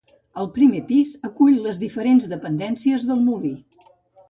El primer pis acull les diferents dependències del molí.